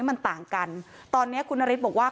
มันต่างกันตอนนี้คุณนฤทธิ์บอกว่า